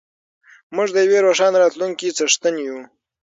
موږ د یوې روښانه راتلونکې څښتن یو.